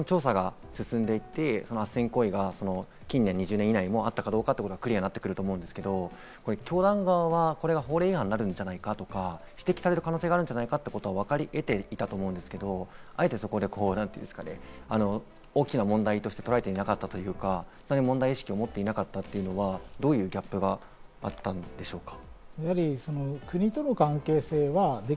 今後、調査が進んでいって、不正行為が近年２０年以内にあったかどうかクリアになってくると思うんですけど、教団側は法令違反になるんじゃないかとか、指摘される可能性があるんじゃないかと分かりえていたと思うんですけど、あえて大きな問題としてとらえていなかったというか、問題意識を持っていなかったというのは、どういうギャップがあったんでしょうか？